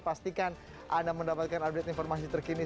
pastikan anda mendapatkan update informasi terkini